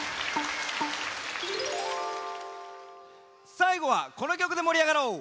さいごはこのきょくでもりあがろう！